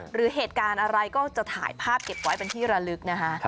หรือเหตุการณ์อะไรก็จะถ่ายภาพเก็บไว้เป็นที่ระลึกนะคะ